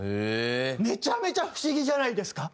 めちゃめちゃ不思議じゃないですか？